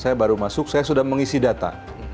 saya baru masuk saya sudah mengisi data